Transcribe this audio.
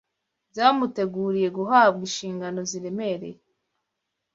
byamuteguriye guhabwa inshingano ziremereye.